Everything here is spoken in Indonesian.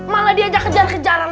malah diajak kejar kejaran